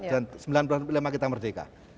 dan sembilan puluh lima kita merdeka